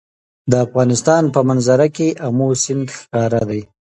د افغانستان په منظره کې آمو سیند ښکاره ده.